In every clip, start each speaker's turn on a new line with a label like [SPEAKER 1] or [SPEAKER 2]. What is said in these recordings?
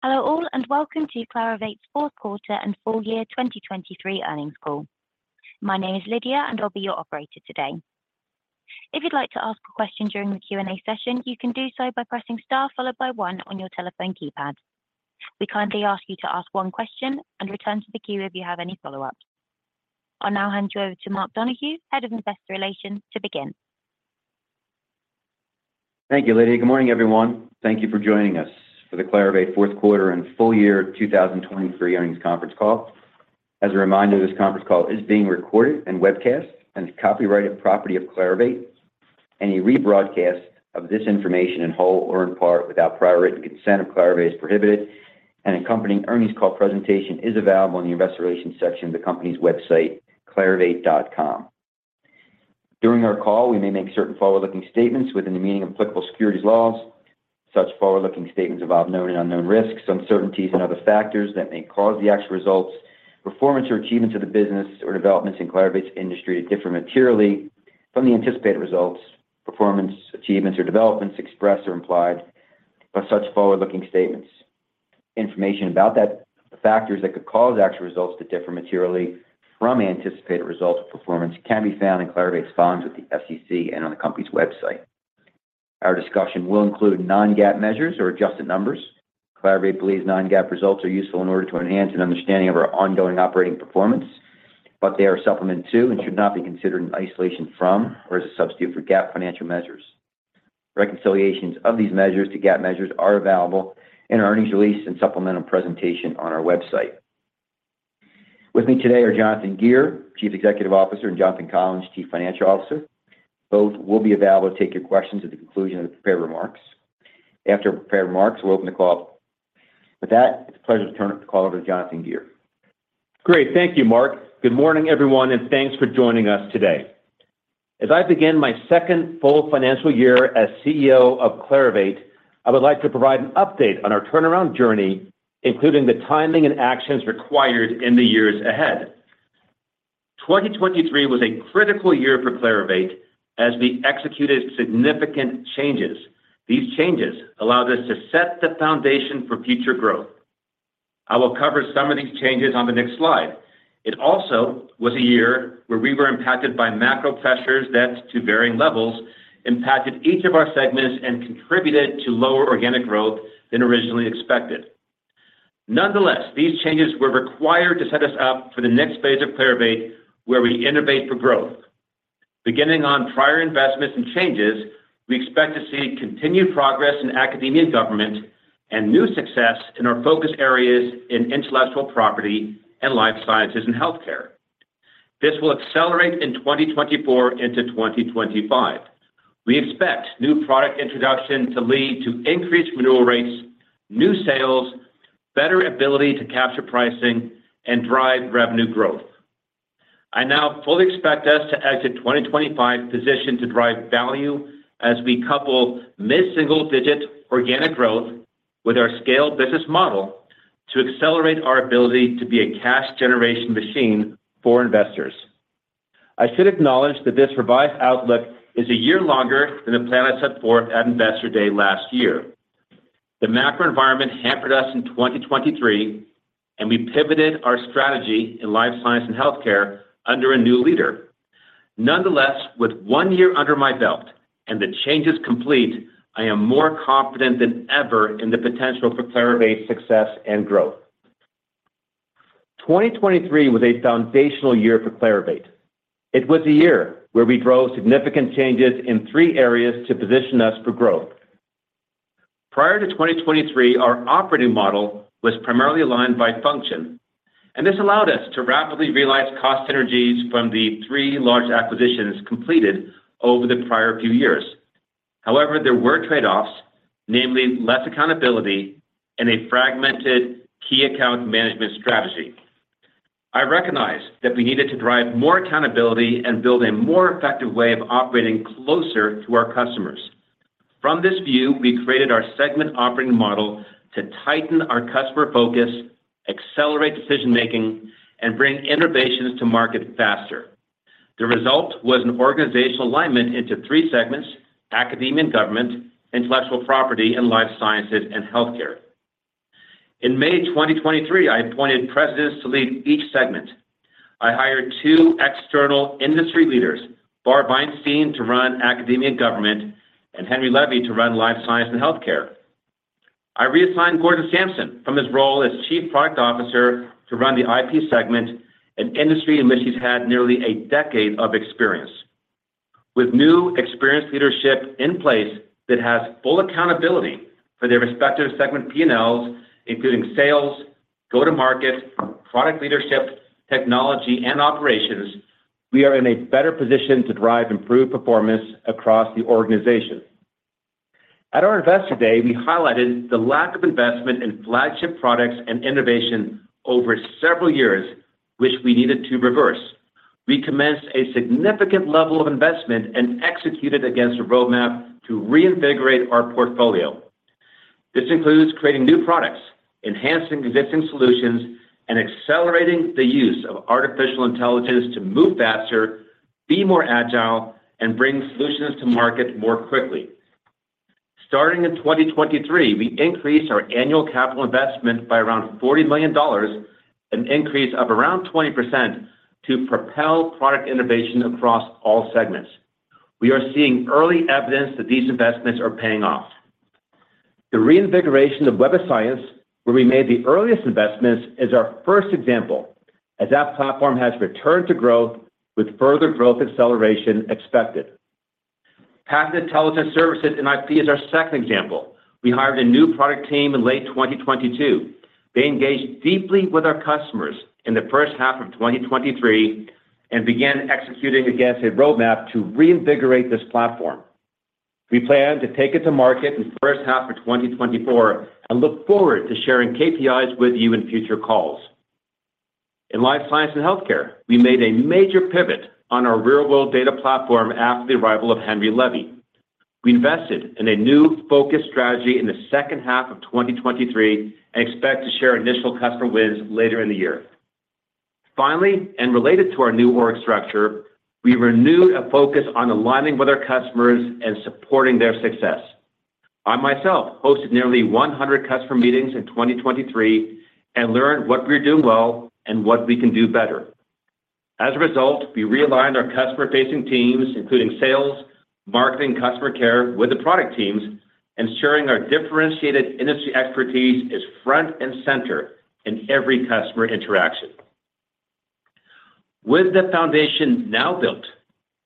[SPEAKER 1] Hello all and welcome to Clarivate's fourth quarter and full year 2023 earnings call. My name is Lydia and I'll be your operator today. If you'd like to ask a question during the Q&A session, you can do so by pressing star followed by one on your telephone keypad. We kindly ask you to ask one question and return to the queue if you have any follow-ups. I'll now hand you over to Mark Donohue, Head of Investor Relations, to begin.
[SPEAKER 2] Thank you, Lydia. Good morning, everyone. Thank you for joining us for the Clarivate fourth quarter and full year 2023 earnings conference call. As a reminder, this conference call is being recorded and webcast and is copyrighted property of Clarivate. Any rebroadcast of this information in whole or in part without prior written consent of Clarivate is prohibited, and accompanying earnings call presentation is available in the Investor Relations section of the company's website, clarivate.com. During our call, we may make certain forward-looking statements within the meaning of applicable securities laws. Such forward-looking statements involve known and unknown risks, uncertainties, and other factors that may cause the actual results, performance or achievements of the business or developments in Clarivate's industry to differ materially from the anticipated results, performance, achievements, or developments expressed or implied by such forward-looking statements. Information about the factors that could cause actual results to differ materially from anticipated results or performance can be found in Clarivate's filings with the SEC and on the company's website. Our discussion will include non-GAAP measures or adjusted numbers. Clarivate believes non-GAAP results are useful in order to enhance an understanding of our ongoing operating performance, but they are a supplement to and should not be considered in isolation from or as a substitute for GAAP financial measures. Reconciliations of these measures to GAAP measures are available in our earnings release and supplemental presentation on our website. With me today are Jonathan Gear, Chief Executive Officer, and Jonathan Collins, Chief Financial Officer. Both will be available to take your questions at the conclusion of the prepared remarks. After prepared remarks, we'll open the call. With that, it's a pleasure to turn the call over to Jonathan Gear.
[SPEAKER 3] Great. Thank you, Mark. Good morning, everyone, and thanks for joining us today. As I begin my second full financial year as CEO of Clarivate, I would like to provide an update on our turnaround journey, including the timing and actions required in the years ahead. 2023 was a critical year for Clarivate as we executed significant changes. These changes allowed us to set the foundation for future growth. I will cover some of these changes on the next slide. It also was a year where we were impacted by macro pressures that, to varying levels, impacted each of our segments and contributed to lower organic growth than originally expected. Nonetheless, these changes were required to set us up for the next phase of Clarivate where we innovate for growth. Beginning on prior investments and changes, we expect to see continued progress in Academia and Government and new success in our focus areas in Intellectual Property and Life Sciences and Healthcare. This will accelerate in 2024 into 2025. We expect new product introduction to lead to increased renewal rates, new sales, better ability to capture pricing, and drive revenue growth. I now fully expect us to exit 2025 positioned to drive value as we couple mid-single-digit organic growth with our scaled business model to accelerate our ability to be a cash generation machine for investors. I should acknowledge that this revised outlook is a year longer than the plan I set forth at Investor Day last year. The macro environment hampered us in 2023, and we pivoted our strategy in Life Sciences and Healthcare under a new leader. Nonetheless, with one year under my belt and the changes complete, I am more confident than ever in the potential for Clarivate's success and growth. 2023 was a foundational year for Clarivate. It was a year where we drove significant changes in three areas to position us for growth. Prior to 2023, our operating model was primarily aligned by function, and this allowed us to rapidly realize cost synergies from the three large acquisitions completed over the prior few years. However, there were trade-offs, namely less accountability and a fragmented key account management strategy. I recognize that we needed to drive more accountability and build a more effective way of operating closer to our customers. From this view, we created our segment operating model to tighten our customer focus, accelerate decision-making, and bring innovations to market faster. The result was an organizational alignment into three segments: Academia and Government, Intellectual Property and life sciences, and healthcare. In May 2023, I appointed presidents to lead each segment. I hired two external industry leaders, Bar Veinstein, to run Academia and Government, and Henry Levy to run Life Sciences and Healthcare. I reassigned Gordon Samson from his role as Chief Product Officer to run the IP segment, an industry in which he's had nearly a decade of experience. With new experienced leadership in place that has full accountability for their respective segment P&Ls, including sales, go-to-market, product leadership, technology, and operations, we are in a better position to drive improved performance across the organization. At our Investor Day, we highlighted the lack of investment in flagship products and innovation over several years, which we needed to reverse. We commenced a significant level of investment and executed against a roadmap to reinvigorate our portfolio. This includes creating new products, enhancing existing solutions, and accelerating the use of artificial intelligence to move faster, be more agile, and bring solutions to market more quickly. Starting in 2023, we increased our annual capital investment by around $40 million, an increase of around 20%, to propel product innovation across all segments. We are seeing early evidence that these investments are paying off. The reinvigoration of Web of Science, where we made the earliest investments, is our first example, as that platform has returned to growth with further growth acceleration expected. Patent Intelligence services and IP is our second example. We hired a new product team in late 2022. They engaged deeply with our customers in the first half of 2023 and began executing against a roadmap to reinvigorate this platform. We plan to take it to market in the first half of 2024 and look forward to sharing KPIs with you in future calls. In Life Sciences and Healthcare, we made a major pivot on our real-world data platform after the arrival of Henry Levy. We invested in a new focus strategy in the second half of 2023 and expect to share initial customer wins later in the year. Finally, and related to our new org structure, we renewed a focus on aligning with our customers and supporting their success. I, myself hosted nearly 100 customer meetings in 2023 and learned what we were doing well and what we can do better. As a result, we realigned our customer-facing teams, including sales, marketing, and customer care, with the product teams, ensuring our differentiated industry expertise is front and center in every customer interaction. With the foundation now built,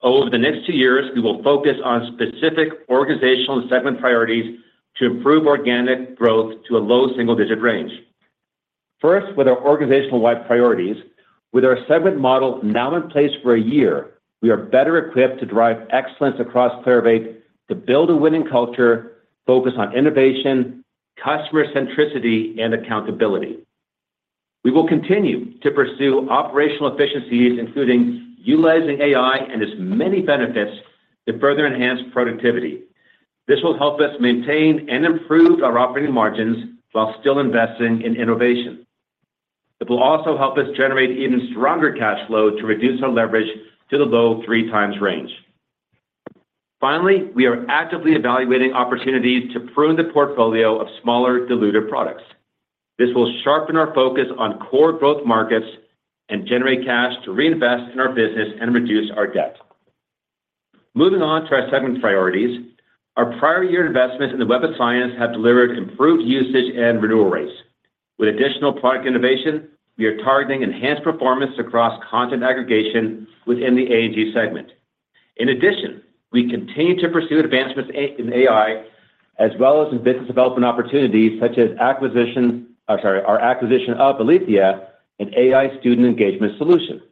[SPEAKER 3] over the next two years, we will focus on specific organizational and segment priorities to improve organic growth to a low single digit range. First, with our organizational-wide priorities, with our segment model now in place for a year, we are better equipped to drive excellence across Clarivate to build a winning culture focused on innovation, customer centricity, and accountability. We will continue to pursue operational efficiencies, including utilizing AI and its many benefits to further enhance productivity. This will help us maintain and improve our operating margins while still investing in innovation. It will also help us generate even stronger cash flow to reduce our leverage to the low three times range. Finally, we are actively evaluating opportunities to prune the portfolio of smaller diluted products. This will sharpen our focus on core growth markets and generate cash to reinvest in our business and reduce our debt. Moving on to our segment priorities, our prior year investments in the Web of Science have delivered improved usage and renewal rates. With additional product innovation, we are targeting enhanced performance across content aggregation within the A&G segment. In addition, we continue to pursue advancements in AI as well as in business development opportunities such as our acquisition of Alethea, an AI student engagement solution.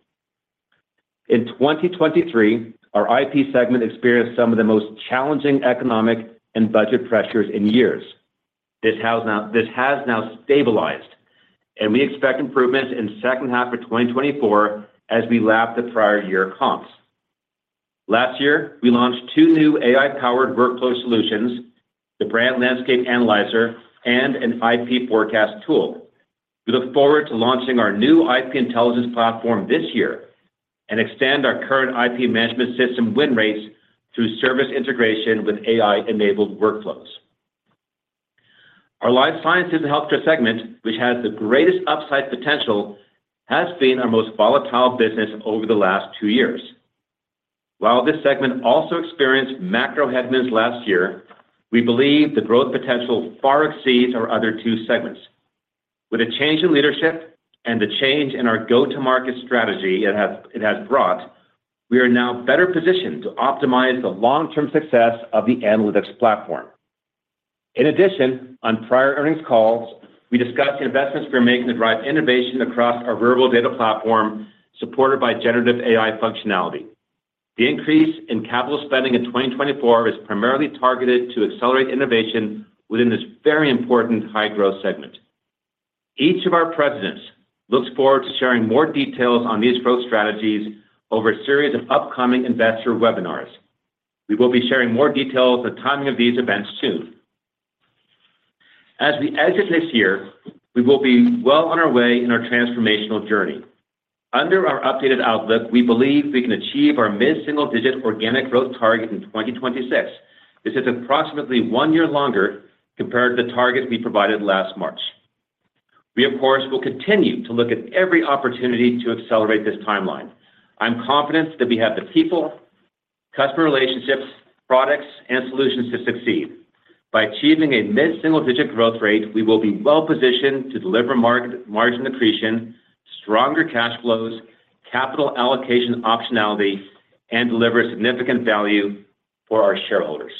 [SPEAKER 3] In 2023, our IP segment experienced some of the most challenging economic and budget pressures in years. This has now stabilized, and we expect improvements in the second half of 2024 as we lap the prior year comps. Last year, we launched two new AI-powered workflow solutions, the Brand Landscape Analyzer and an IP Forecast Tool. We look forward to launching our new IP intelligence platform this year and extend our current IP management system win rates through service integration with AI-enabled workflows. Our Life Sciences and Healthcare segment, which has the greatest upside potential, has been our most volatile business over the last two years. While this segment also experienced macro headwinds last year, we believe the growth potential far exceeds our other two segments. With a change in leadership and the change in our go-to-market strategy it has brought, we are now better positioned to optimize the long-term success of the analytics platform. In addition, on prior earnings calls, we discussed the investments we are making to drive innovation across our real-world data platform supported by generative AI functionality. The increase in capital spending in 2024 is primarily targeted to accelerate innovation within this very important high-growth segment. Each of our presidents looks forward to sharing more details on these growth strategies over a series of upcoming investor webinars. We will be sharing more details on the timing of these events soon. As we exit this year, we will be well on our way in our transformational journey. Under our updated outlook, we believe we can achieve our mid-single digit organic growth target in 2026. This is approximately one year longer compared to the target we provided last March. We, of course, will continue to look at every opportunity to accelerate this timeline. I'm confident that we have the people, customer relationships, products, and solutions to succeed. By achieving a mid-single digit growth rate, we will be well positioned to deliver margin accretion, stronger cash flows, capital allocation optionality, and deliver significant value for our shareholders.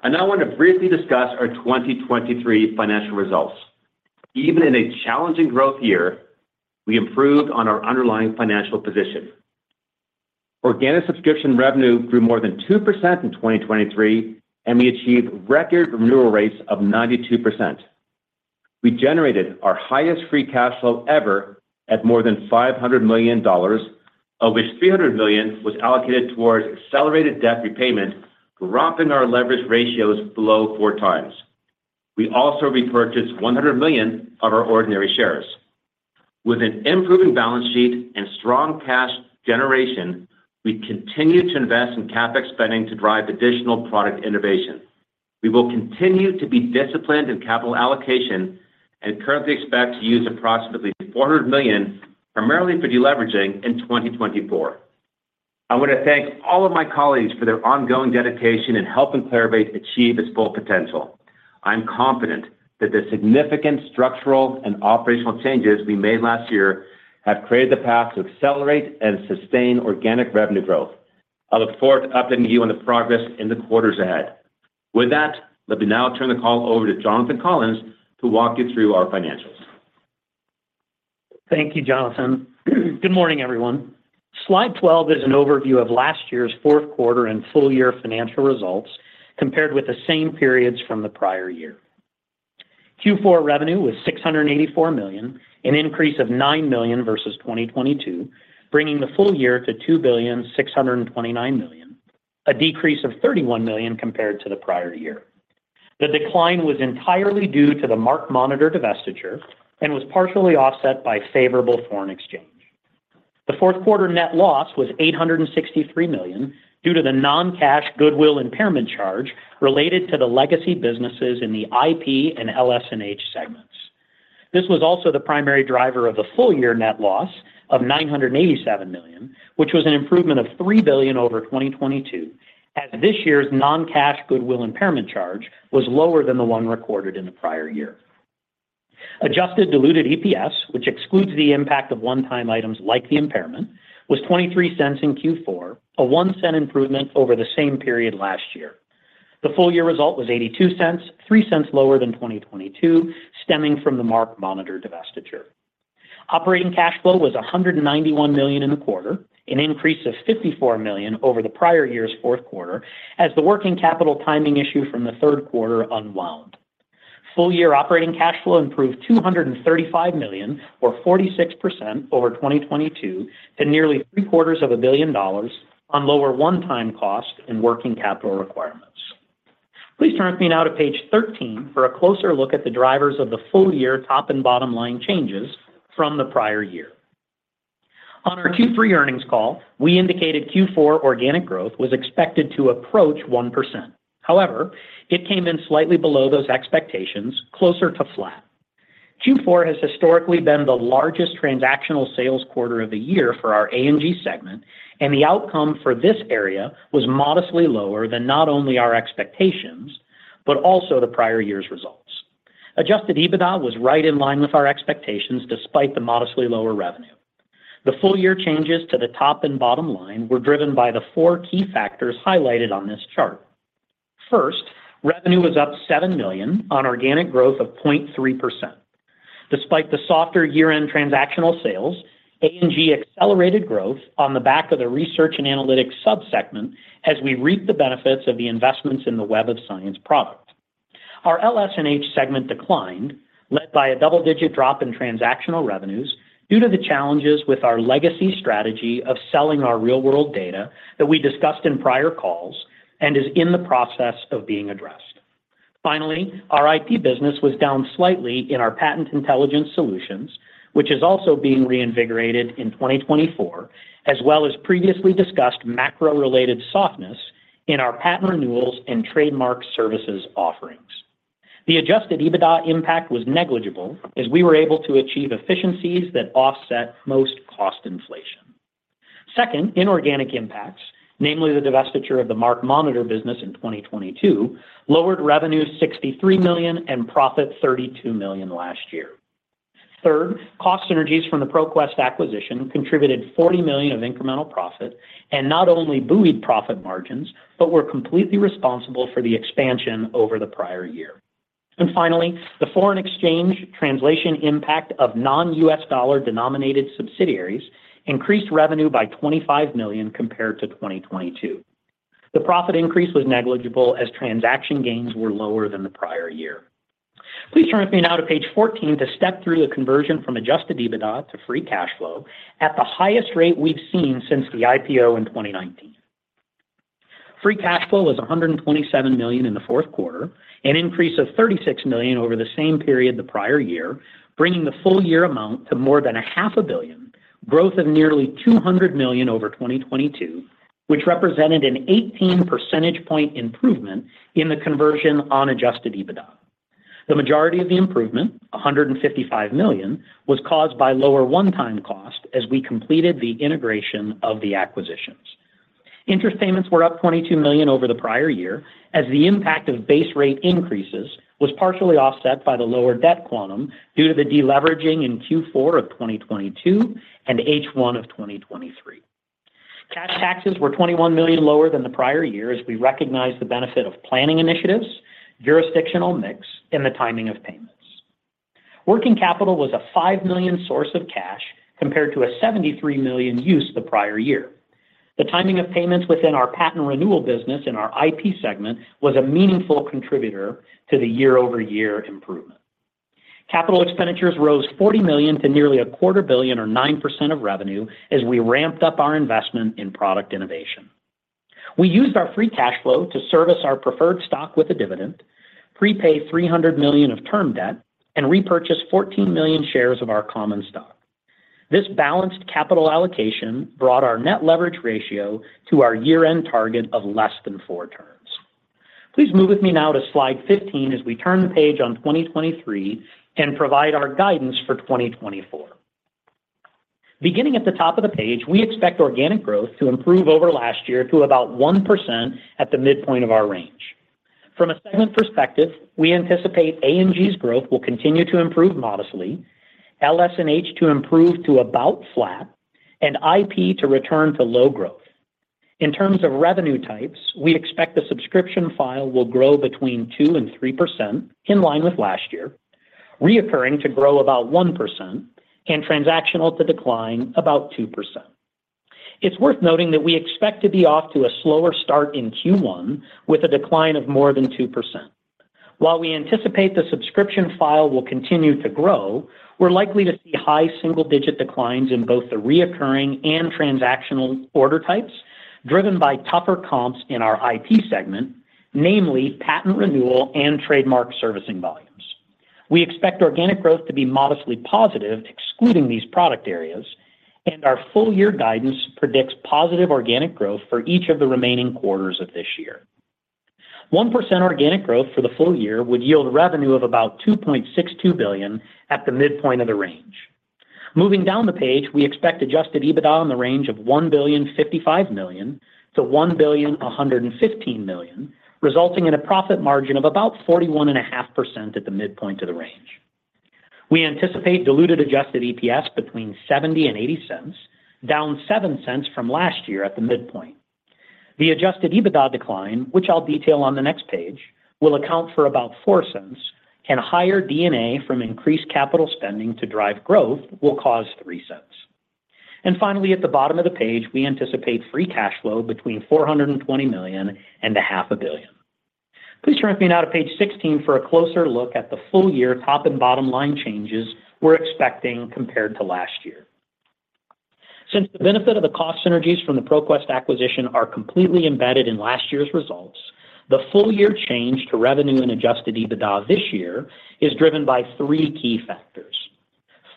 [SPEAKER 3] I now want to briefly discuss our 2023 financial results. Even in a challenging growth year, we improved on our underlying financial position. Organic subscription revenue grew more than 2% in 2023, and we achieved record renewal rates of 92%. We generated our highest free cash flow ever at more than $500 million, of which $300 million was allocated towards accelerated debt repayment, dropping our leverage ratios below four times. We also repurchased $100 million of our ordinary shares. With an improving balance sheet and strong cash generation, we continue to invest in CapEx spending to drive additional product innovation. We will continue to be disciplined in capital allocation and currently expect to use approximately $400 million primarily for deleveraging in 2024. I want to thank all of my colleagues for their ongoing dedication in helping Clarivate achieve its full potential. I'm confident that the significant structural and operational changes we made last year have created the path to accelerate and sustain organic revenue growth. I look forward to updating you on the progress in the quarters ahead. With that, let me now turn the call over to Jonathan Collins to walk you through our financials.
[SPEAKER 4] Thank you, Jonathan. Good morning, everyone. Slide 12 is an overview of last year's fourth quarter and full year financial results compared with the same periods from the prior year. Q4 revenue was $684 million, an increase of $9 million versus 2022, bringing the full year to $2,629 million, a decrease of $31 million compared to the prior year. The decline was entirely due to the MarkMonitor divestiture and was partially offset by favorable foreign exchange. The fourth quarter net loss was $863 million due to the non-cash goodwill impairment charge related to the legacy businesses in the IP and LSH segments. This was also the primary driver of the full year net loss of $987 million, which was an improvement of $3 billion over 2022, as this year's non-cash goodwill impairment charge was lower than the one recorded in the prior year. Adjusted diluted EPS, which excludes the impact of one-time items like the impairment, was $0.23 in Q4, a $0.01 improvement over the same period last year. The full year result was $0.82, $0.03 lower than 2022, stemming from the MarkMonitor divestiture. Operating cash flow was $191 million in the quarter, an increase of $54 million over the prior year's fourth quarter, as the working capital timing issue from the third quarter unwound. Full year operating cash flow improved $235 million, or 46% over 2022, to nearly $750 million on lower one-time costs and working capital requirements. Please turn with me now to page 13 for a closer look at the drivers of the full year top and bottom line changes from the prior year. On our Q3 earnings call, we indicated Q4 organic growth was expected to approach 1%. However, it came in slightly below those expectations, closer to flat. Q4 has historically been the largest transactional sales quarter of the year for our A&G segment, and the outcome for this area was modestly lower than not only our expectations but also the prior year's results. Adjusted EBITDA was right in line with our expectations despite the modestly lower revenue. The full year changes to the top and bottom line were driven by the four key factors highlighted on this chart. First, revenue was up $7 million on organic growth of 0.3%. Despite the softer year-end transactional sales, A&G accelerated growth on the back of the Research and Analytics subsegment as we reaped the benefits of the investments in the Web of Science product. Our LS&H segment declined, led by a double-digit drop in transactional revenues due to the challenges with our legacy strategy of selling our real-world data that we discussed in prior calls and is in the process of being addressed. Finally, our IP business was down slightly in our Patent Intelligence solutions, which is also being reinvigorated in 2024, as well as previously discussed macro-related softness in our patent renewals and trademark services offerings. The adjusted EBITDA impact was negligible as we were able to achieve efficiencies that offset most cost inflation. Second, inorganic impacts, namely the divestiture of the MarkMonitor business in 2022, lowered revenue $63 million and profit $32 million last year. Third, cost synergies from the ProQuest acquisition contributed $40 million of incremental profit and not only buoyed profit margins but were completely responsible for the expansion over the prior year. Finally, the foreign exchange translation impact of non-U.S. dollar denominated subsidiaries increased revenue by $25 million compared to 2022. The profit increase was negligible as transaction gains were lower than the prior year. Please turn with me now to page 14 to step through the conversion from Adjusted EBITDA to Free Cash Flow at the highest rate we've seen since the IPO in 2019. Free Cash Flow was $127 million in the fourth quarter, an increase of $36 million over the same period the prior year, bringing the full year amount to more than $500 million, growth of nearly $200 million over 2022, which represented an 18 percentage point improvement in the conversion on Adjusted EBITDA. The majority of the improvement, $155 million, was caused by lower one-time costs as we completed the integration of the acquisitions. Interest payments were up $22 million over the prior year as the impact of base rate increases was partially offset by the lower debt quantum due to the deleveraging in Q4 of 2022 and H1 of 2023. Cash taxes were $21 million lower than the prior year as we recognized the benefit of planning initiatives, jurisdictional mix, and the timing of payments. Working capital was a $5 million source of cash compared to a $73 million use the prior year. The timing of payments within our patent renewal business in our IP segment was a meaningful contributor to the year-over-year improvement. Capital expenditures rose $40 million to nearly $250 million or 9% of revenue as we ramped up our investment in product innovation. We used our free cash flow to service our preferred stock with a dividend, prepay $300 million of term debt, and repurchase 14 million shares of our common stock. This balanced capital allocation brought our net leverage ratio to our year-end target of less than four times. Please move with me now to slide 15 as we turn the page on 2023 and provide our guidance for 2024. Beginning at the top of the page, we expect organic growth to improve over last year to about 1% at the midpoint of our range. From a segment perspective, we anticipate A&G's growth will continue to improve modestly, LSH to improve to about flat, and IP to return to low growth. In terms of revenue types, we expect the subscription file will grow between 2% and 3% in line with last year, recurring to grow about 1%, and transactional to decline about 2%. It's worth noting that we expect to be off to a slower start in Q1 with a decline of more than 2%. While we anticipate the subscription file will continue to grow, we're likely to see high single-digit declines in both the recurring and transactional order types driven by tougher comps in our IP segment, namely patent renewal and trademark servicing volumes. We expect organic growth to be modestly positive, excluding these product areas, and our full year guidance predicts positive organic growth for each of the remaining quarters of this year. 1% organic growth for the full year would yield revenue of about $2.62 billion at the midpoint of the range. Moving down the page, we expect Adjusted EBITDA in the range of $1.055-$1.115 billion, resulting in a profit margin of about 41.5% at the midpoint of the range. We anticipate diluted adjusted EPS between $0.70-$0.80, down $0.07 from last year at the midpoint. The Adjusted EBITDA decline, which I'll detail on the next page, will account for about $0.04, and higher D&A from increased capital spending to drive growth will cause $0.03. And finally, at the bottom of the page, we anticipate free cash flow between $420-$500 million. Please turn with me now to page 16 for a closer look at the full year top and bottom line changes we're expecting compared to last year. Since the benefit of the cost synergies from the ProQuest acquisition are completely embedded in last year's results, the full year change to revenue and Adjusted EBITDA this year is driven by three key factors.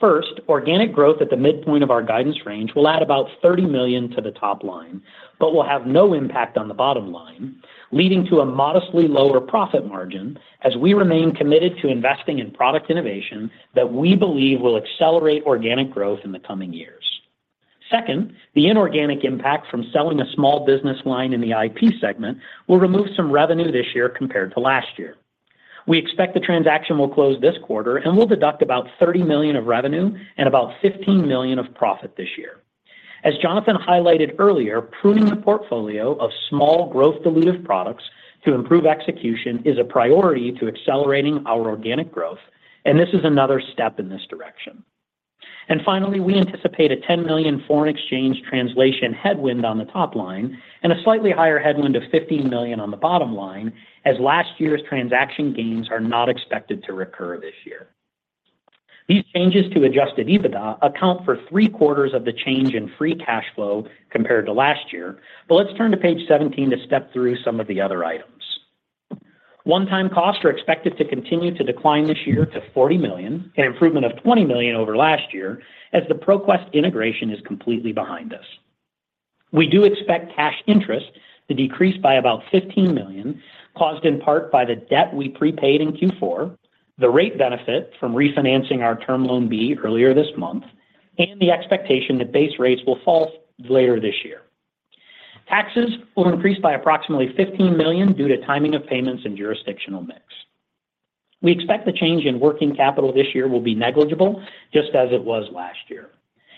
[SPEAKER 4] First, Organic Growth at the midpoint of our guidance range will add about $30 million to the top line but will have no impact on the bottom line, leading to a modestly lower profit margin as we remain committed to investing in product innovation that we believe will accelerate Organic Growth in the coming years. Second, the inorganic impact from selling a small business line in the IP segment will remove some revenue this year compared to last year. We expect the transaction will close this quarter and will deduct about $30 million of revenue and about $15 million of profit this year. As Jonathan highlighted earlier, pruning the portfolio of small growth-dilutive products to improve execution is a priority to accelerating our organic growth, and this is another step in this direction. And finally, we anticipate a $10 million foreign exchange translation headwind on the top line and a slightly higher headwind of $15 million on the bottom line as last year's transaction gains are not expected to recur this year. These changes to Adjusted EBITDA account for three-quarters of the change in Free Cash Flow compared to last year, but let's turn to page 17 to step through some of the other items. One-time costs are expected to continue to decline this year to $40 million, an improvement of $20 million over last year as the ProQuest integration is completely behind us. We do expect cash interest to decrease by about $15 million, caused in part by the debt we prepaid in Q4, the rate benefit from refinancing our Term Loan B earlier this month, and the expectation that base rates will fall later this year. Taxes will increase by approximately $15 million due to timing of payments and jurisdictional mix. We expect the change in working capital this year will be negligible just as it was last year,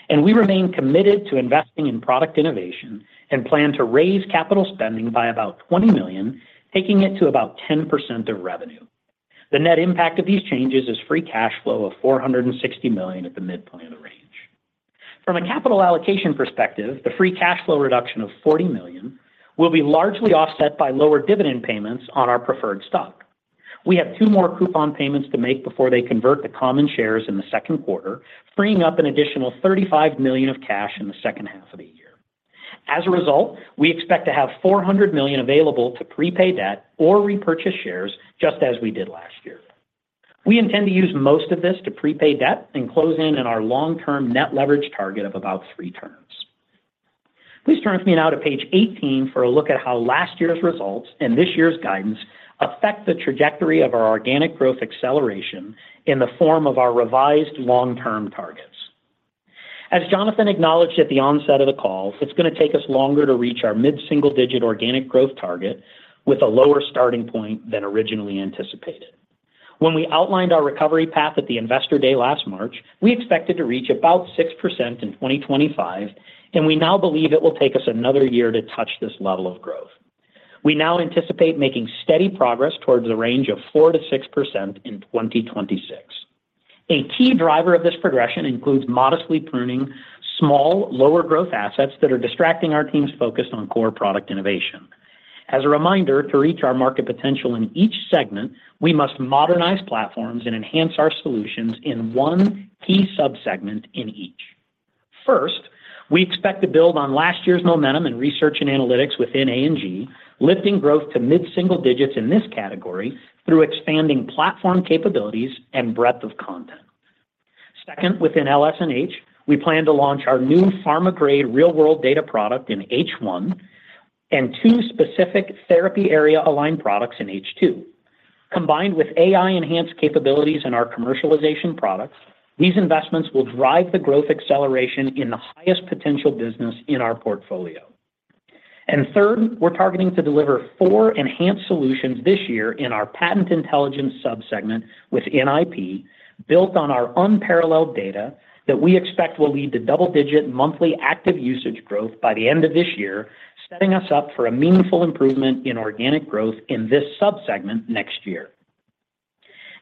[SPEAKER 4] and we remain committed to investing in product innovation and plan to raise capital spending by about $20 million, taking it to about 10% of revenue. The net impact of these changes is free cash flow of $460 million at the midpoint of the range. From a capital allocation perspective, the free cash flow reduction of $40 million will be largely offset by lower dividend payments on our preferred stock. We have two more coupon payments to make before they convert to common shares in the second quarter, freeing up an additional $35 million of cash in the second half of the year. As a result, we expect to have $400 million available to prepay debt or repurchase shares just as we did last year. We intend to use most of this to prepay debt and close in on our long-term net leverage target of about three times. Please turn with me now to page 18 for a look at how last year's results and this year's guidance affect the trajectory of our organic growth acceleration in the form of our revised long-term targets. As Jonathan acknowledged at the onset of the call, it's going to take us longer to reach our mid-single digit organic growth target with a lower starting point than originally anticipated. When we outlined our recovery path at the investor day last March, we expected to reach about 6% in 2025, and we now believe it will take us another year to touch this level of growth. We now anticipate making steady progress towards the range of 4%-6% in 2026. A key driver of this progression includes modestly pruning small lower growth assets that are distracting our team's focus on core product innovation. As a reminder, to reach our market potential in each segment, we must modernize platforms and enhance our solutions in one key subsegment in each. First, we expect to build on last year's momentum in Research and Analytics within A&G, lifting growth to mid-single digits in this category through expanding platform capabilities and breadth of content. Second, within LSH, we plan to launch our new pharma-grade Real-World Data product in H1 and two specific therapy area-aligned products in H2. Combined with AI-enhanced capabilities in our commercialization products, these investments will drive the growth acceleration in the highest potential business in our portfolio. And third, we're targeting to deliver four enhanced solutions this year in our Patent Intelligence subsegment within IP, built on our unparalleled data that we expect will lead to double-digit monthly active usage growth by the end of this year, setting us up for a meaningful improvement in Organic Growth in this subsegment next year.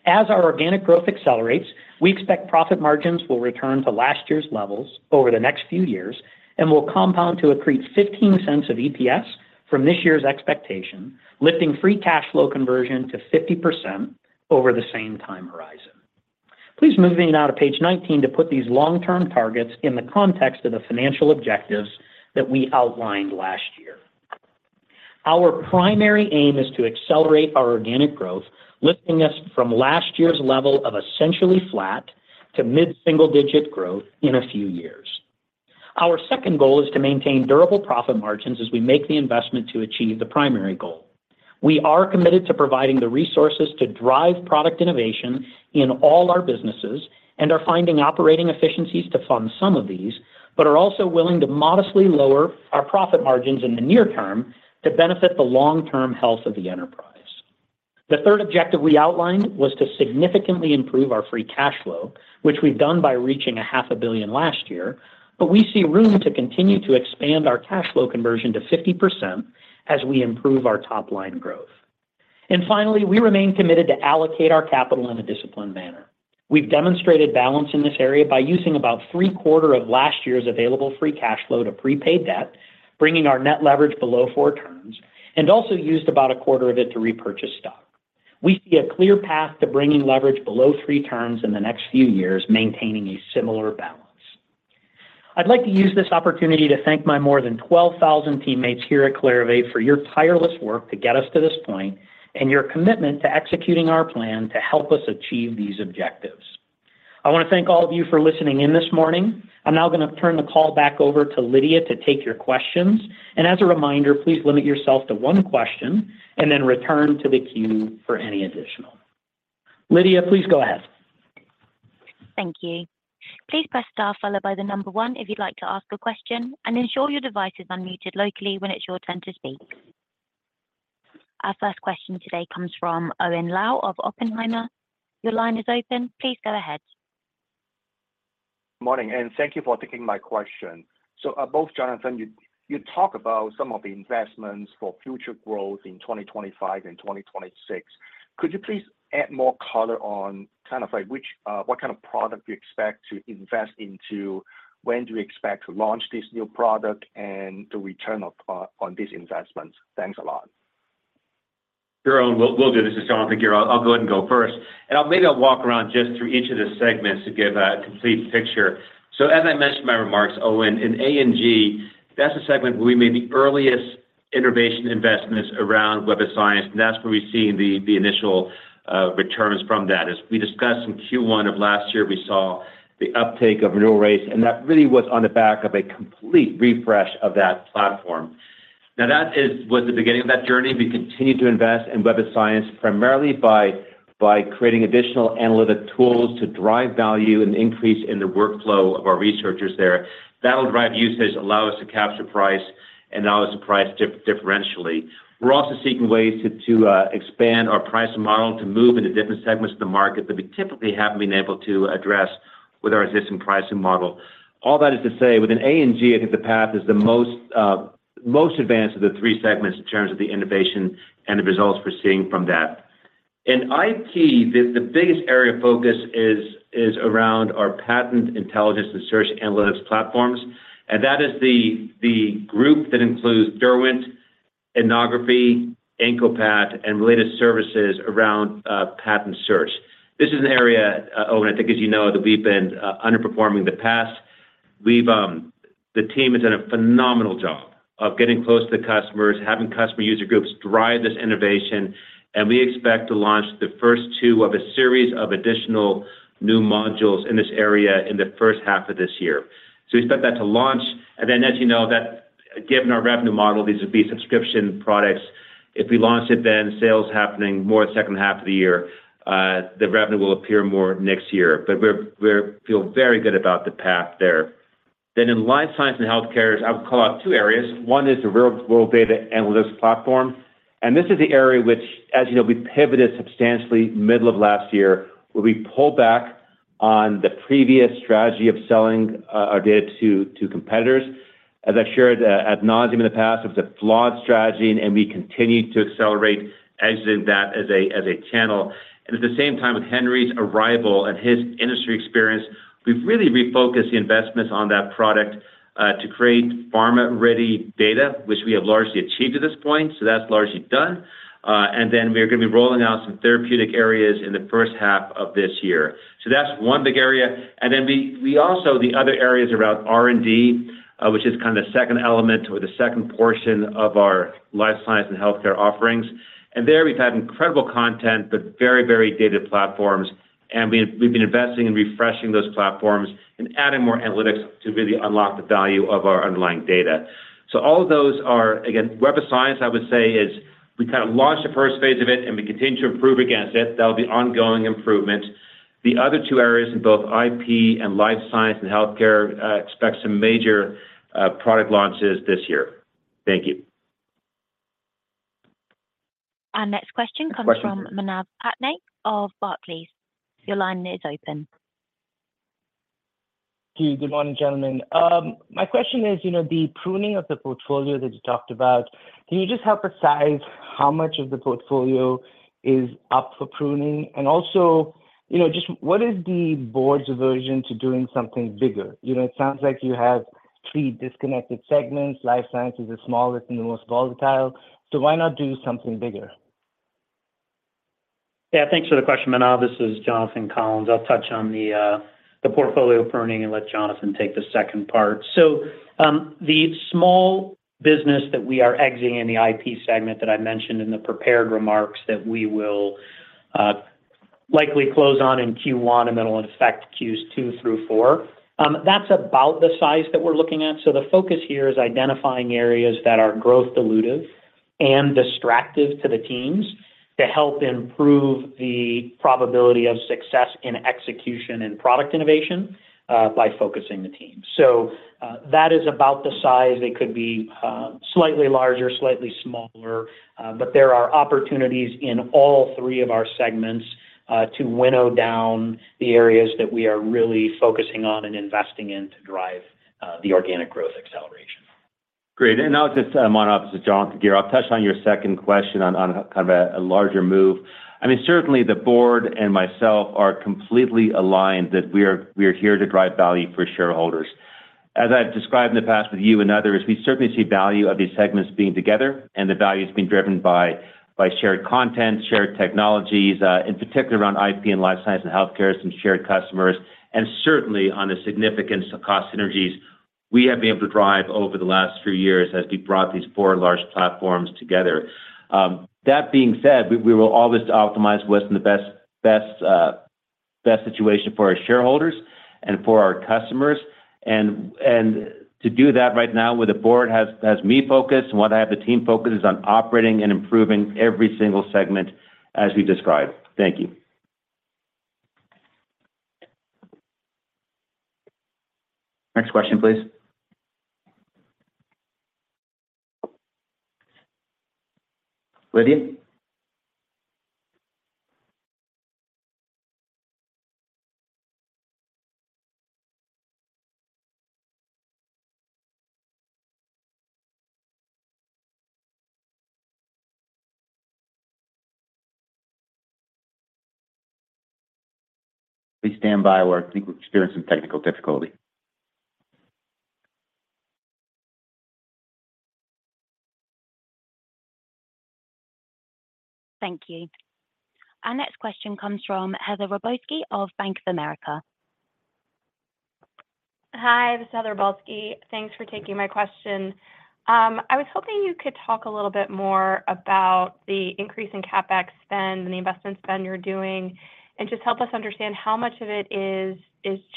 [SPEAKER 4] As our Organic Growth accelerates, we expect profit margins will return to last year's levels over the next few years and will compound to accrete $0.15 of EPS from this year's expectation, lifting Free Cash Flow conversion to 50% over the same time horizon. Please move me now to page 19 to put these long-term targets in the context of the financial objectives that we outlined last year. Our primary aim is to accelerate our organic growth, lifting us from last year's level of essentially flat to mid-single digit growth in a few years. Our second goal is to maintain durable profit margins as we make the investment to achieve the primary goal. We are committed to providing the resources to drive product innovation in all our businesses and are finding operating efficiencies to fund some of these, but are also willing to modestly lower our profit margins in the near term to benefit the long-term health of the enterprise. The third objective we outlined was to significantly improve our free cash flow, which we've done by reaching $500 million last year, but we see room to continue to expand our cash flow conversion to 50% as we improve our top line growth. Finally, we remain committed to allocate our capital in a disciplined manner. We've demonstrated balance in this area by using about three-quarters of last year's available free cash flow to prepay debt, bringing our net leverage below four times, and also used about a quarter of it to repurchase stock. We see a clear path to bringing leverage below three times in the next few years, maintaining a similar balance. I'd like to use this opportunity to thank my more than 12,000 teammates here at Clarivate for your tireless work to get us to this point and your commitment to executing our plan to help us achieve these objectives. I want to thank all of you for listening in this morning. I'm now going to turn the call back over to Lydia to take your questions, and as a reminder, please limit yourself to one question and then return to the queue for any additional. Lydia, please go ahead.
[SPEAKER 1] Thank you. Please press star followed by the number one if you'd like to ask a question and ensure your device is unmuted locally when it's your turn to speak. Our first question today comes from Owen Lau of Oppenheimer. Your line is open. Please go ahead.
[SPEAKER 5] Good morning, and thank you for taking my question. Both Jonathan, you talk about some of the investments for future growth in 2025 and 2026. Could you please add more color on kind of what kind of product you expect to invest into, when do you expect to launch this new product, and the return on these investments? Thanks a lot.
[SPEAKER 3] Sure, Owen. We'll do. This is Jonathan Gear. I'll go ahead and go first, and maybe I'll walk around just through each of the segments to give a complete picture. So as I mentioned in my remarks, Owen, in A&G, that's a segment where we made the earliest innovation investments around Web of Science, and that's where we're seeing the initial returns from that. As we discussed in Q1 of last year, we saw the uptake of renewal rates, and that really was on the back of a complete refresh of that platform. Now, that was the beginning of that journey. We continue to invest in Web of Science primarily by creating additional analytic tools to drive value and increase in the workflow of our researchers there. That'll drive usage, allow us to capture price, and allow us to price differentially. We're also seeking ways to expand our pricing model to move into different segments of the market that we typically haven't been able to address with our existing pricing model. All that is to say, within A&G, I think the path is the most advanced of the three segments in terms of the innovation and the results we're seeing from that. In IP, the biggest area of focus is around our Patent Intelligence and Search Analytics platforms, and that is the group that includes Derwent, Innography, IncoPat, and related services around patent search. This is an area, Owen, I think, as you know, that we've been underperforming in the past. The team has done a phenomenal job of getting close to the customers, having customer user groups drive this innovation, and we expect to launch the first two of a series of additional new modules in this area in the first half of this year. So we expect that to launch, and then, as you know, given our revenue model, these would be subscription products. If we launch it then, sales happening more the second half of the year, the revenue will appear more next year, but we feel very good about the path there. Then in Life Sciences and Healthcare, I would call out two areas. One is the Real-World Data analytics platform, and this is the area which, as you know, we pivoted substantially middle of last year where we pulled back on the previous strategy of selling our data to competitors. As I've shared ad nauseam in the past, it was a flawed strategy, and we continue to accelerate exiting that as a channel. And at the same time, with Henry's arrival and his industry experience, we've really refocused the investments on that product to create pharma-ready data, which we have largely achieved at this point, so that's largely done. And then we're going to be rolling out some therapeutic areas in the first half of this year. So that's one big area. And then the other area is around R&D, which is kind of the second element or the second portion of our life science and healthcare offerings. And there, we've had incredible content but very, very dated platforms, and we've been investing in refreshing those platforms and adding more analytics to really unlock the value of our underlying data. So all of those are, again, Web of Science, I would say, is we kind of launched the first phase of it, and we continue to improve against it. That'll be ongoing improvement. The other two areas in both IP and Life Sciences and Healthcare expect some major product launches this year. Thank you.
[SPEAKER 1] Our next question comes from Manav Patnaik of Barclays. Your line is open.
[SPEAKER 6] Hey, good morning, gentlemen. My question is, the pruning of the portfolio that you talked about, can you just help us size how much of the portfolio is up for pruning? And also, just what is the board's aversion to doing something bigger? It sounds like you have three disconnected segments. Life Sciences is the smallest and the most volatile, so why not do something bigger?
[SPEAKER 4] Yeah, thanks for the question, Manav. This is Jonathan Collins. I'll touch on the portfolio pruning and let Jonathan take the second part. So the small business that we are exiting in the IP segment that I mentioned in the prepared remarks that we will likely close on in Q1 and then will, in fact, Q2s through Q4, that's about the size that we're looking at. So the focus here is identifying areas that are growth-dilutive and distractive to the teams to help improve the probability of success in execution and product innovation by focusing the teams. So that is about the size. They could be slightly larger, slightly smaller, but there are opportunities in all three of our segments to winnow down the areas that we are really focusing on and investing in to drive the organic growth acceleration.
[SPEAKER 3] Great. And now, just monologue as Jonathan Gear. I'll touch on your second question on kind of a larger move. I mean, certainly, the board and myself are completely aligned that we are here to drive value for shareholders. As I've described in the past with you and others, we certainly see value of these segments being together, and the value is being driven by shared content, shared technologies, in particular around IP and life science and healthcare, some shared customers, and certainly on the significance of cost synergies we have been able to drive over the last few years as we brought these four large platforms together. That being said, we will always optimize what's in the best situation for our shareholders and for our customers. To do that right now with a board as me focused and what I have the team focus is on operating and improving every single segment as we've described. Thank you. Next question, please. Lydia? We stand by. I think we're experiencing technical difficulty.
[SPEAKER 1] Thank you. Our next question comes from Heather Balsky of Bank of America.
[SPEAKER 7] Hi, this is Heather Balsky. Thanks for taking my question. I was hoping you could talk a little bit more about the increase in CapEx spend and the investment spend you're doing and just help us understand how much of it is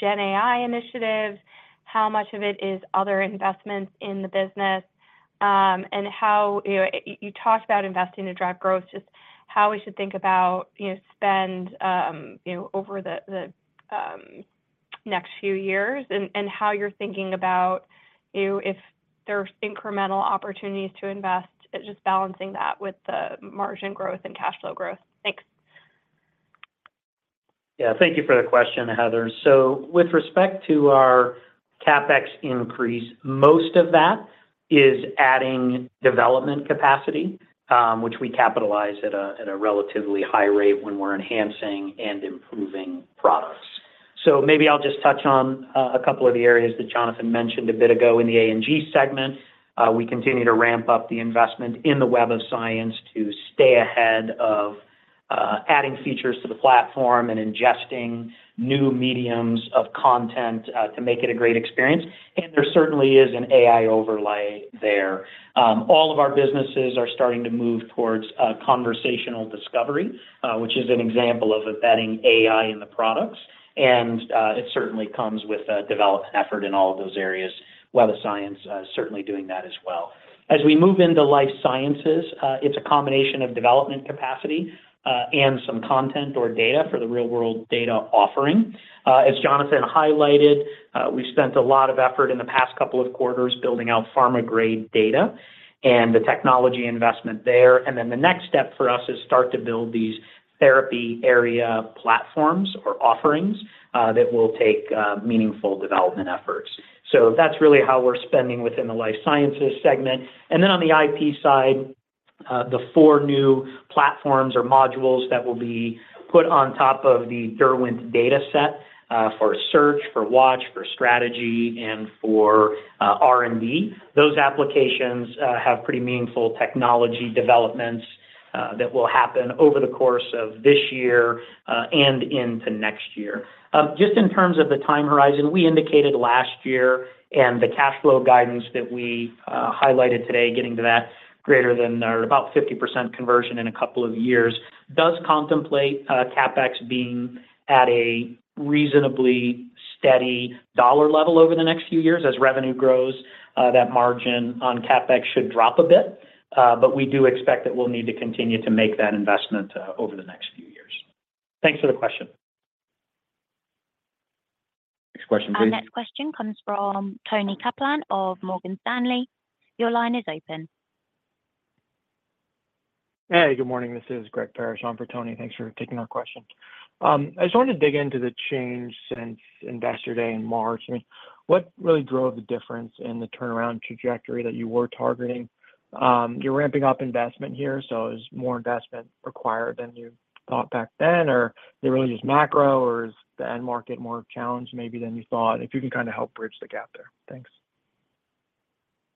[SPEAKER 7] GenAI initiatives, how much of it is other investments in the business, and how you talked about investing to drive growth, just how we should think about spend over the next few years and how you're thinking about if there's incremental opportunities to invest, just balancing that with the margin growth and cash flow growth. Thanks.
[SPEAKER 4] Yeah, thank you for the question, Heather. So with respect to our CapEx increase, most of that is adding development capacity, which we capitalize at a relatively high rate when we're enhancing and improving products. So maybe I'll just touch on a couple of the areas that Jonathan mentioned a bit ago in the A&G segment. We continue to ramp up the investment in the Web of Science to stay ahead of adding features to the platform and ingesting new mediums of content to make it a great experience. And there certainly is an AI overlay there. All of our businesses are starting to move towards conversational discovery, which is an example of embedding AI in the products, and it certainly comes with a development effort in all of those areas. Web of Science is certainly doing that as well. As we move into life sciences, it's a combination of development capacity and some content or data for the real-world data offering. As Jonathan highlighted, we've spent a lot of effort in the past couple of quarters building out pharma-grade data and the technology investment there. And then the next step for us is to start to build these therapy area platforms or offerings that will take meaningful development efforts. So that's really how we're spending within the life sciences segment. And then on the IP side, the four new platforms or modules that will be put on top of the Derwent dataset for search, for watch, for strategy, and for R&D. Those applications have pretty meaningful technology developments that will happen over the course of this year and into next year. Just in terms of the time horizon, we indicated last year, and the cash flow guidance that we highlighted today, getting to that greater than about 50% conversion in a couple of years, does contemplate CapEx being at a reasonably steady dollar level over the next few years. As revenue grows, that margin on CapEx should drop a bit, but we do expect that we'll need to continue to make that investment over the next few years. Thanks for the question. Next question, please.
[SPEAKER 1] Our next question comes from Tony Kaplan of Morgan Stanley. Your line is open.
[SPEAKER 8] Hey, good morning. This is Greg Parish. I'm for Tony. Thanks for taking our question. I just wanted to dig into the change since yesterday in March. I mean, what really drove the difference in the turnaround trajectory that you were targeting? You're ramping up investment here, so is more investment required than you thought back then, or is it really just macro, or is the end market more challenged maybe than you thought? If you can kind of help bridge the gap there. Thanks.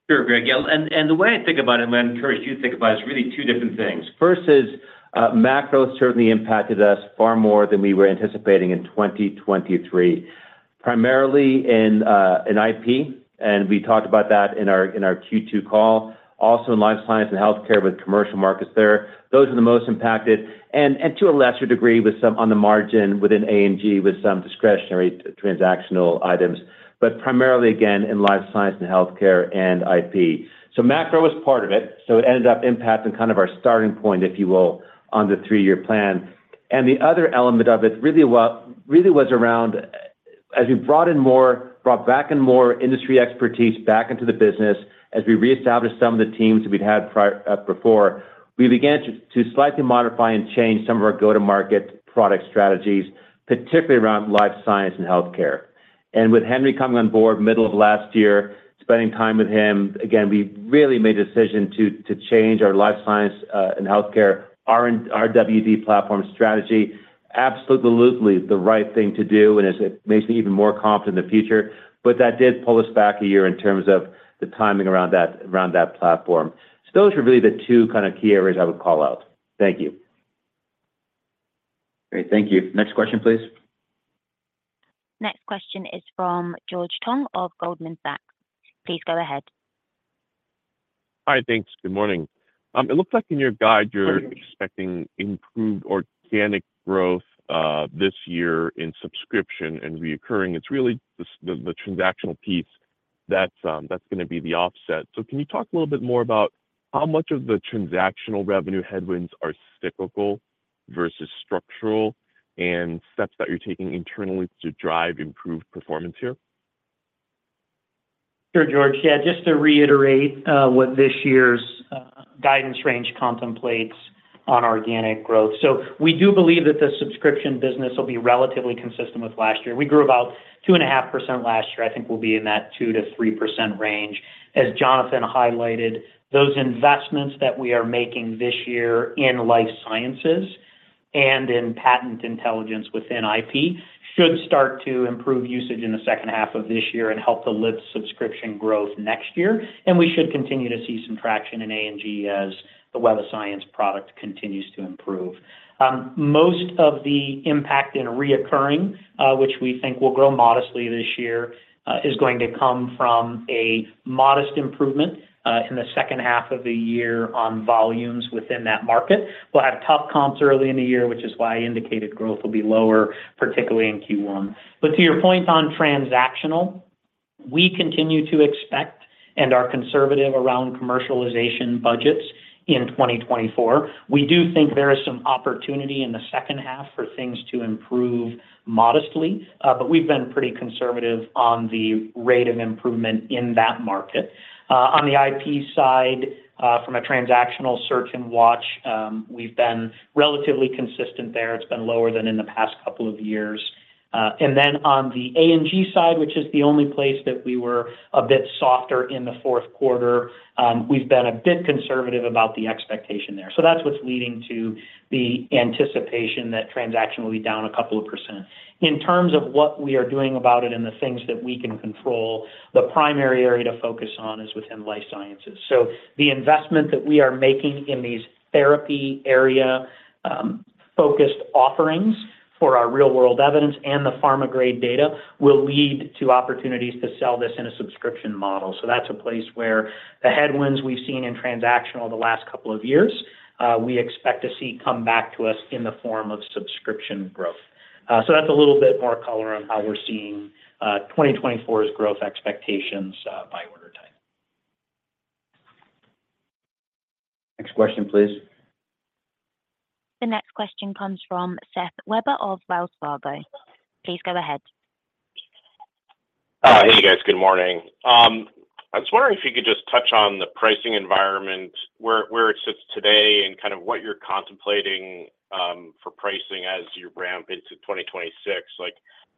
[SPEAKER 3] Sure, Greg. Yeah, and the way I think about it, and I encourage you to think about it, is really two different things. First is macro certainly impacted us far more than we were anticipating in 2023, primarily in IP, and we talked about that in our Q2 call. Also in life science and healthcare with commercial markets there, those were the most impacted, and to a lesser degree on the margin within A&G with some discretionary transactional items, but primarily, again, in life science and healthcare and IP. So macro was part of it, so it ended up impacting kind of our starting point, if you will, on the three-year plan. The other element of it really was around as we brought back in more industry expertise back into the business, as we reestablished some of the teams that we'd had before, we began to slightly modify and change some of our go-to-market product strategies, particularly around life science and healthcare. With Henry coming on board middle of last year, spending time with him, again, we really made a decision to change our life science and healthcare RWD platform strategy, absolutely the right thing to do, and it makes me even more confident in the future, but that did pull us back a year in terms of the timing around that platform. So those were really the two kind of key areas I would call out. Thank you.
[SPEAKER 8] Great. Thank you. Next question, please.
[SPEAKER 1] Next question is from George Tong of Goldman Sachs. Please go ahead.
[SPEAKER 9] Hi, thanks. Good morning. It looks like in your guide, you're expecting improved organic growth this year in subscription and recurring. It's really the transactional piece that's going to be the offset. Can you talk a little bit more about how much of the transactional revenue headwinds are cyclical versus structural and steps that you're taking internally to drive improved performance here?
[SPEAKER 4] Sure, George. Yeah, just to reiterate what this year's guidance range contemplates on organic growth. So we do believe that the subscription business will be relatively consistent with last year. We grew about 2.5% last year. I think we'll be in that 2%-3% range. As Jonathan highlighted, those investments that we are making this year in life sciences and in Patent Intelligence within IP should start to improve usage in the second half of this year and help to lift subscription growth next year. And we should continue to see some traction in A&G as the Web of Science product continues to improve. Most of the impact in recurring, which we think will grow modestly this year, is going to come from a modest improvement in the second half of the year on volumes within that market. We'll have tough comps early in the year, which is why I indicated growth will be lower, particularly in Q1. But to your point on transactional, we continue to expect and are conservative around commercialization budgets in 2024. We do think there is some opportunity in the second half for things to improve modestly, but we've been pretty conservative on the rate of improvement in that market. On the IP side, from a transactional search and watch, we've been relatively consistent there. It's been lower than in the past couple of years. And then on the A&G side, which is the only place that we were a bit softer in the fourth quarter, we've been a bit conservative about the expectation there. So that's what's leading to the anticipation that transactional will be down a couple of %. In terms of what we are doing about it and the things that we can control, the primary area to focus on is within life sciences. So the investment that we are making in these therapy area-focused offerings for our real-world evidence and the pharma-grade data will lead to opportunities to sell this in a subscription model. So that's a place where the headwinds we've seen in transactional the last couple of years, we expect to see come back to us in the form of subscription growth. So that's a little bit more color on how we're seeing 2024's growth expectations by order time.
[SPEAKER 3] Next question, please.
[SPEAKER 1] The next question comes from Seth Weber of Wells Fargo. Please go ahead.
[SPEAKER 10] Hey, guys. Good morning. I was wondering if you could just touch on the pricing environment, where it sits today, and kind of what you're contemplating for pricing as you ramp into 2026?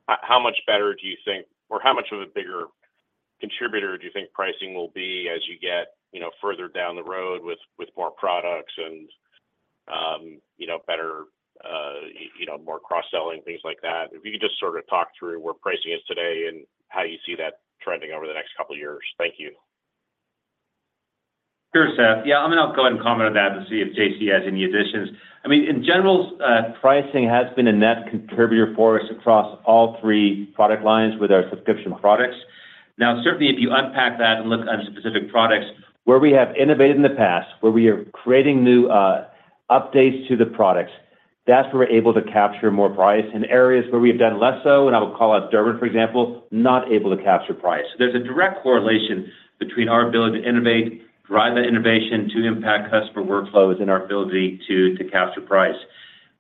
[SPEAKER 10] How much better do you think or how much of a bigger contributor do you think pricing will be as you get further down the road with more products and better, more cross-selling, things like that? If you could just sort of talk through where pricing is today and how you see that trending over the next couple of years? Thank you.
[SPEAKER 3] Sure, Seth. Yeah, I'm going to go ahead and comment on that and see if JC has any additions. I mean, in general, pricing has been a net contributor for us across all three product lines with our subscription products. Now, certainly, if you unpack that and look at specific products, where we have innovated in the past, where we are creating new updates to the products, that's where we're able to capture more price. In areas where we have done less so, and I would call out Derwent, for example, not able to capture price. So there's a direct correlation between our ability to innovate, drive that innovation, to impact customer workflows, and our ability to capture price.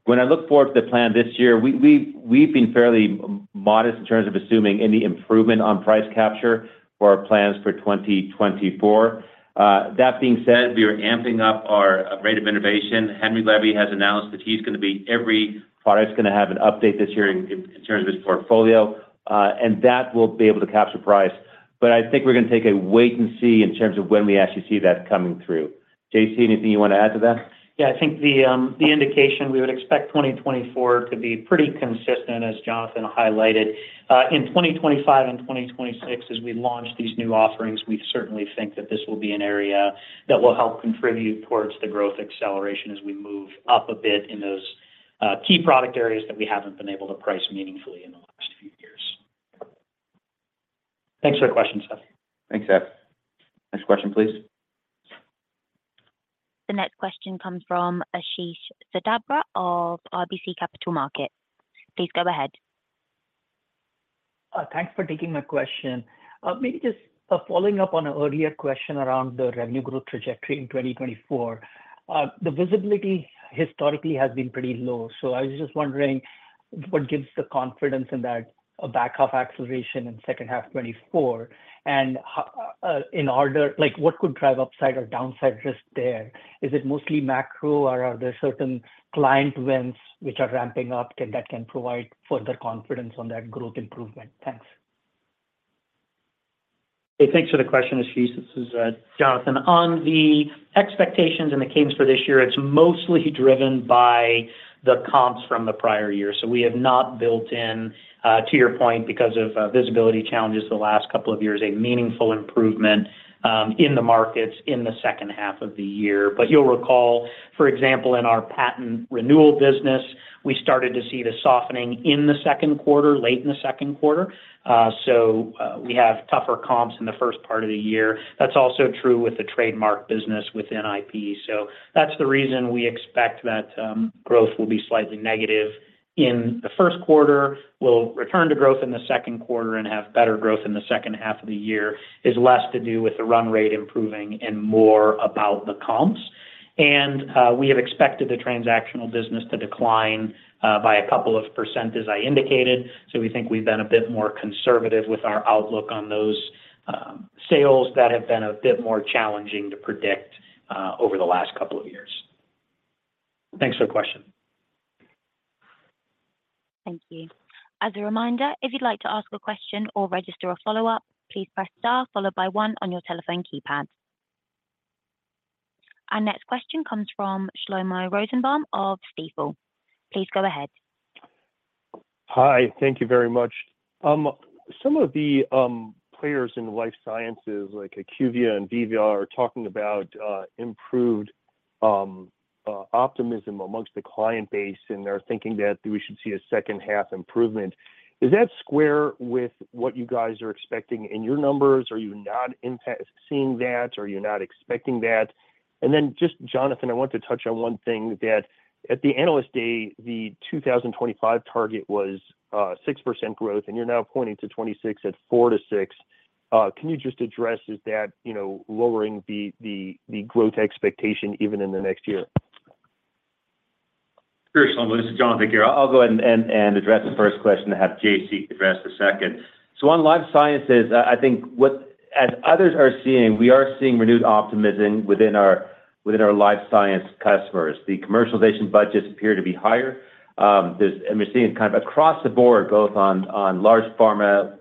[SPEAKER 3] When I look forward to the plan this year, we've been fairly modest in terms of assuming any improvement on price capture for our plans for 2024. That being said, we are amping up our rate of innovation. Henry Levy has announced that he's going to be every product's going to have an update this year in terms of his portfolio, and that will be able to capture price. But I think we're going to take a wait and see in terms of when we actually see that coming through. JC, anything you want to add to that?
[SPEAKER 4] Yeah, I think the indication we would expect 2024 to be pretty consistent, as Jonathan highlighted. In 2025 and 2026, as we launch these new offerings, we certainly think that this will be an area that will help contribute towards the growth acceleration as we move up a bit in those key product areas that we haven't been able to price meaningfully in the last few years. Thanks for the question, Seth.
[SPEAKER 3] Thanks, Seth. Next question, please.
[SPEAKER 1] The next question comes from Ashish Sabadra of RBC Capital Markets. Please go ahead.
[SPEAKER 11] Thanks for taking my question. Maybe just following up on an earlier question around the revenue growth trajectory in 2024, the visibility historically has been pretty low. So I was just wondering what gives the confidence in that a back-half acceleration in second half 2024? And in order, what could drive upside or downside risk there? Is it mostly macro, or are there certain client wins which are ramping up that can provide further confidence on that growth improvement? Thanks.
[SPEAKER 4] Hey, thanks for the question, Ashish. This is Jonathan. On the expectations and the cadence for this year, it's mostly driven by the comps from the prior year. So we have not built in, to your point, because of visibility challenges the last couple of years, a meaningful improvement in the markets in the second half of the year. But you'll recall, for example, in our patent renewal business, we started to see the softening in the second quarter, late in the second quarter. So we have tougher comps in the first part of the year. That's also true with the trademark business within IP. So that's the reason we expect that growth will be slightly negative in the first quarter. We'll return to growth in the second quarter and have better growth in the second half of the year is less to do with the run rate improving and more about the comps. We have expected the transactional business to decline by a couple of %. As I indicated, we think we've been a bit more conservative with our outlook on those sales that have been a bit more challenging to predict over the last couple of years. Thanks for the question.
[SPEAKER 1] Thank you. As a reminder, if you'd like to ask a question or register a follow-up, please press star followed by 1 on your telephone keypad. Our next question comes from Shlomo Rosenbaum of Stifel. Please go ahead.
[SPEAKER 12] Hi. Thank you very much. Some of the players in life sciences, like IQVIA and Veeva, are talking about improved optimism amongst the client base, and they're thinking that we should see a second-half improvement. Does that square with what you guys are expecting in your numbers? Are you not seeing that, or are you not expecting that? And then just, Jonathan, I wanted to touch on one thing that at the Analyst Day, the 2025 target was 6% growth, and you're now pointing to 2026 at 4%-6%. Can you just address, is that lowering the growth expectation even in the next year?
[SPEAKER 3] Sure, Shlomo. This is Jonathan here. I'll go ahead and address the first question and have JC address the second. So on life sciences, I think as others are seeing, we are seeing renewed optimism within our life science customers. The commercialization budgets appear to be higher. And we're seeing it kind of across the board, both on large pharma,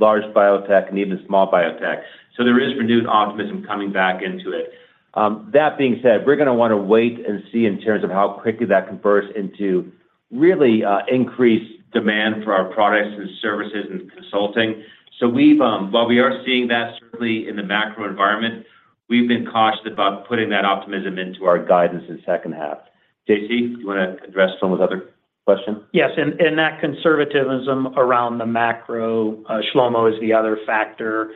[SPEAKER 3] large biotech, and even small biotech. So there is renewed optimism coming back into it. That being said, we're going to want to wait and see in terms of how quickly that converts into really increased demand for our products and services and consulting. So while we are seeing that, certainly in the macro environment, we've been cautious about putting that optimism into our guidance in second half. JC, do you want to address some of those other questions?
[SPEAKER 4] Yes. And that conservatism around the macro, Shlomo, is the other factor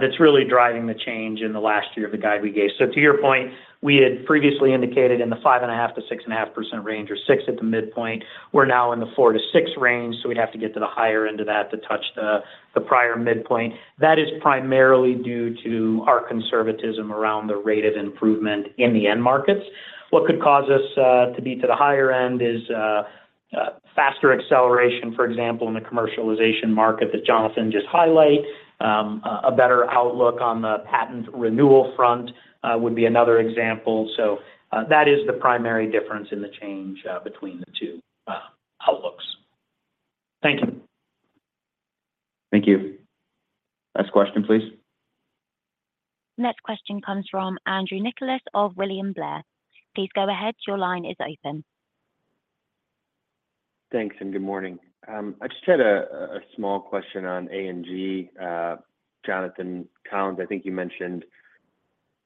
[SPEAKER 4] that's really driving the change in the last year of the guide we gave. So to your point, we had previously indicated in the 5.5%-6.5% range or 6% at the midpoint. We're now in the 4%-6% range, so we'd have to get to the higher end of that to touch the prior midpoint. That is primarily due to our conservatism around the rate of improvement in the end markets. What could cause us to be to the higher end is faster acceleration, for example, in the commercialization market that Jonathan just highlighted. A better outlook on the patent renewal front would be another example. So that is the primary difference in the change between the two outlooks. Thank you.
[SPEAKER 3] Thank you. Next question, please.
[SPEAKER 1] Next question comes from Andrew Nicholas of William Blair. Please go ahead. Your line is open.
[SPEAKER 13] Thanks and good morning. I just had a small question on A&G. Jonathan Collins, I think you mentioned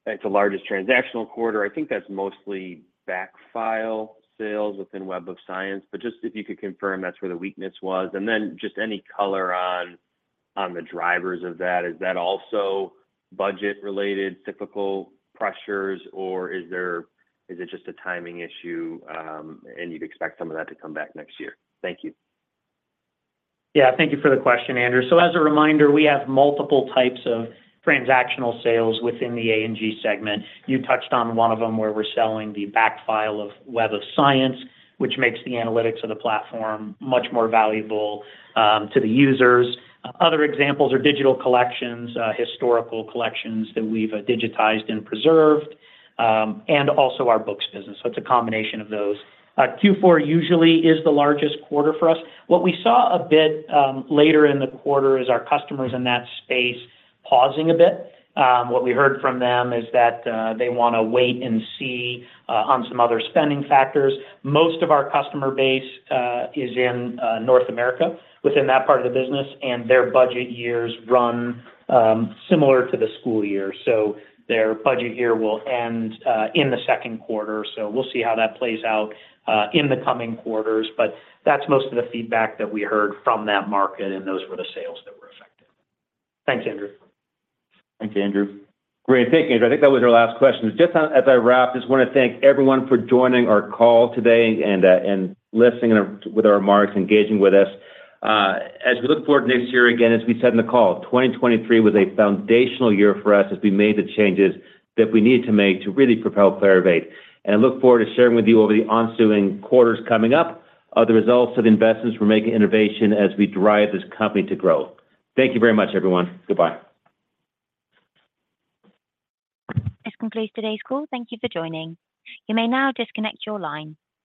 [SPEAKER 13] it's the largest transactional quarter. I think that's mostly backfile sales within Web of Science. But just if you could confirm that's where the weakness was. And then just any color on the drivers of that, is that also budget-related cyclical pressures, or is it just a timing issue and you'd expect some of that to come back next year? Thank you.
[SPEAKER 4] Yeah. Thank you for the question, Andrew. So as a reminder, we have multiple types of transactional sales within the A&G segment. You touched on one of them where we're selling the backfile of Web of Science, which makes the analytics of the platform much more valuable to the users. Other examples are digital collections, historical collections that we've digitized and preserved, and also our books business. So it's a combination of those. Q4 usually is the largest quarter for us. What we saw a bit later in the quarter is our customers in that space pausing a bit. What we heard from them is that they want to wait and see on some other spending factors. Most of our customer base is in North America within that part of the business, and their budget years run similar to the school year. So their budget year will end in the second quarter. So we'll see how that plays out in the coming quarters. But that's most of the feedback that we heard from that market, and those were the sales that were affected. Thanks, Andrew.
[SPEAKER 3] Thanks, Andrew. Great. Thank you, Andrew. I think that was our last question. Just as I wrap, just want to thank everyone for joining our call today and listening with our remarks, engaging with us. As we look forward to next year, again, as we said in the call, 2023 was a foundational year for us as we made the changes that we needed to make to really propel Clarivate. And I look forward to sharing with you over the ensuing quarters coming up of the results of the investments we're making in innovation as we drive this company to grow. Thank you very much, everyone. Goodbye.
[SPEAKER 1] This concludes today's call. Thank you for joining. You may now disconnect your line.